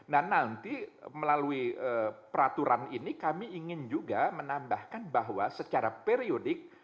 nah nanti melalui peraturan ini kami ingin juga menambahkan bahwa secara periodik